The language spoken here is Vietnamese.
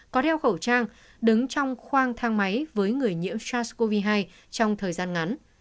có đeo khẩu trang đứng trong khoang thang máy với người nhiễm sars cov hai trong thời gian ngắn